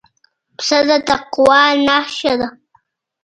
پسه د تقوی نښه ده.